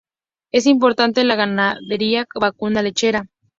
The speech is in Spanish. Es importante la ganadería vacuna lechera.